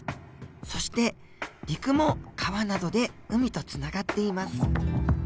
そして陸も川などで海とつながっています。